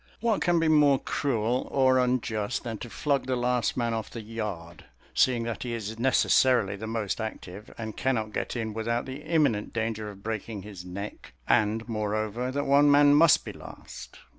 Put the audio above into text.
What can be more cruel or unjust than to flog the last man off the yard? seeing that he is necessarily the most active, and cannot get in without the imminent danger of breaking his neck; and, moreover, that one man must be last.